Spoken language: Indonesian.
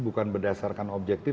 bukan berdasarkan objektif